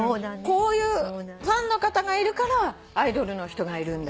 こういうファンの方がいるからアイドルの人がいるんだし。